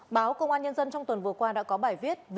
báo công an nhân dân trong tuần vừa qua đã có bài viết